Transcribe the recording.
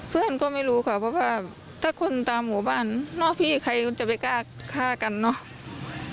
เพื่อนก็ไม่รู้ค่ะเพราะว่าถ้าคนตามหมู่บ้านนอกพี่ใครก็จะไปกล้าฆ่ากันเนอะ